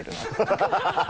ハハハ